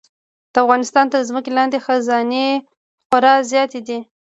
د افغانستان تر ځمکې لاندې خزانې خورا زیاتې دي.